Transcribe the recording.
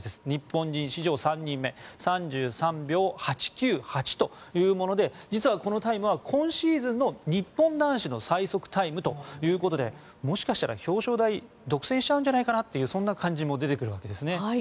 日本人史上３人目３３秒８９８というもので実は、このタイムは今シーズンの日本男子の最速タイムということでもしかしたら表彰台独占しちゃうんじゃないかなとそんな感じも出てくるわけです。